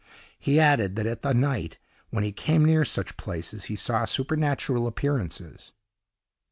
He added, that at night, when he came near such places, he saw supernatural appearances.